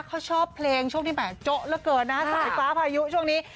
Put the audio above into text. เขาชอบเพลงช่วงที่แห่โจ๊ะเหลือเกินนะสายฟ้าพายุช่วงนี้